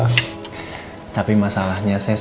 untuk mantau perkembangannya seperti apa